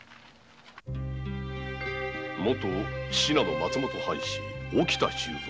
元信濃松本藩士沖田収蔵。